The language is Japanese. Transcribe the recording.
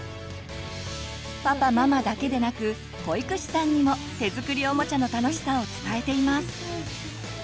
パパママだけでなく保育士さんにも手作りおもちゃの楽しさを伝えています。